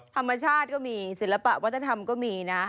ธรรมชาติก็มีศิลปะวัฒนธรรมก็มีนะ